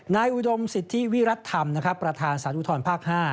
นายอุดมสิทธิวิรัตนธรรมประธานสาธารณ์อุทรภาค๕